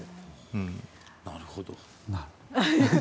なるほど。